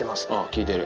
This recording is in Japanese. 効いてる。